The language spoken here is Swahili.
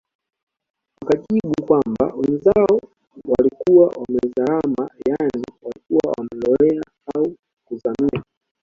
Wakajibu kwamba wenzao walikuwa wamezarama yaani walikuwa wamelowea au kuzamia